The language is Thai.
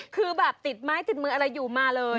คือแบบติดไม้ติดมืออะไรอยู่มาเลย